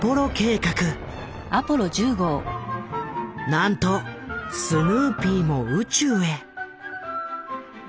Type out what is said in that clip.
なんとスヌーピーも宇宙へ。